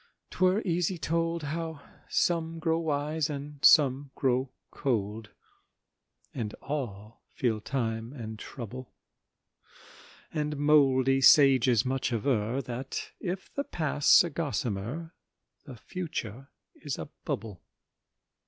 'twere easy told How some grow wise and some grow cold, And all feel time and trouble; And mouldy sages much aver That if the Past's a gossamer, The Future is a bubble.